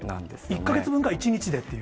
１か月分が１日でという。